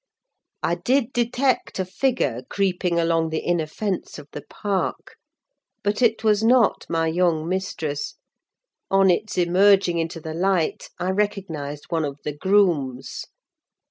I did detect a figure creeping along the inner fence of the park; but it was not my young mistress: on its emerging into the light, I recognised one of the grooms.